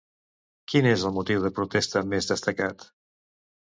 Quin és el motiu de protesta més destacat?